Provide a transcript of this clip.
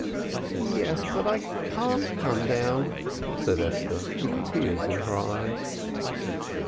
"Yes, but I can't come down," said Esther, with tears in her eyes.